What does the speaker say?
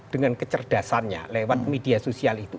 dengan kecerdasannya lewat media sosial itu